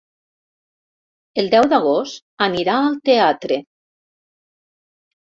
El deu d'agost anirà al teatre.